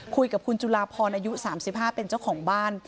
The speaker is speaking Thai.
คุยกับคุณจุลาพรอายุ๓๕เป็นเจ้าของบ้าน